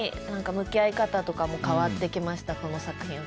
向き合い方とかも変わってきました